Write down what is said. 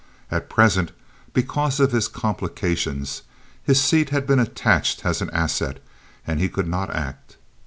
At present, because of his complications, his seat had been attached as an asset, and he could not act.